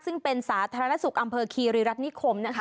ซึ่งเป็นสาธารณสุขอำเภอคีรีรัฐนิคมนะคะ